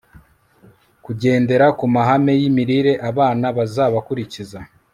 kugendera ku mahame yimirire abana bazabakurikiza